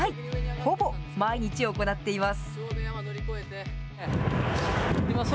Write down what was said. ほぼ毎日行っています。